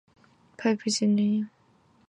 Parental care is common in burying beetles.